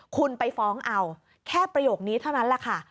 คุณไปฟ้องเอาแค่ประโยคนี้เท่านั้นแหละค่ะ